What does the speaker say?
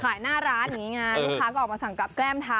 หน้าร้านอย่างนี้ไงลูกค้าก็ออกมาสั่งกลับแก้มทาน